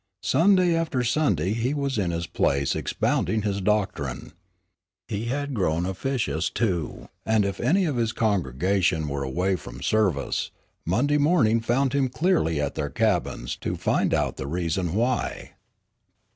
Sunday after Sunday he was in his place expounding his doctrine. He had grown officious, too, and if any of his congregation were away from service, Monday morning found him early at their cabins to find out the reason why.